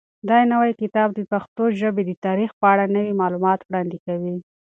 دا نوی کتاب د پښتو ژبې د تاریخ په اړه نوي معلومات وړاندې کوي.